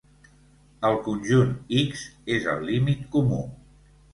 El conjunt "X" és el límit comú.